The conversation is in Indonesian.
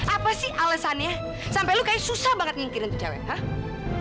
apa sih alesannya sampai lu kayaknya susah banget ngingkirin tuh cewek